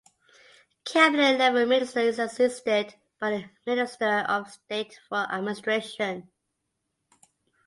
Cabinet level minister is assisted by the minister of state for administration.